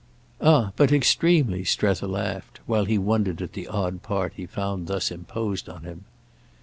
"Ah but extremely!" Strether laughed while he wondered at the odd part he found thus imposed on him.